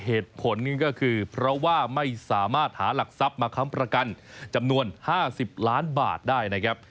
เหตุผลก็คือเพราะว่าไม่สามารถหาหลักทรัพย์มาค้ำประกันจำนวน๕๐ล้านบาทได้นะครับ